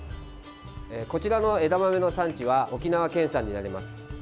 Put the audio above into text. こちらの枝豆の産地は沖縄県産になります。